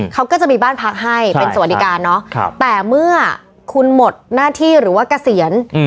เขาก็จะมีบ้านพักให้ใช่เป็นสวดิการเนอะครับแต่เมื่อคุณหมดหน้าที่หรือว่ากระเสียนอืม